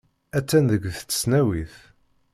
Attan deg tesnawit.